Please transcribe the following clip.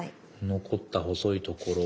残った細いところを。